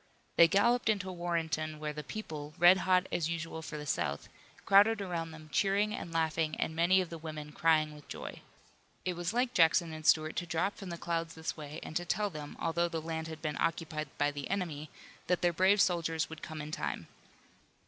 They galloped into Warrenton where the people, red hot as usual for the South, crowded around them cheering and laughing and many of the women crying with joy. It was like Jackson and Stuart to drop from the clouds this way and to tell them, although the land had been occupied by the enemy, that their brave soldiers would come in time.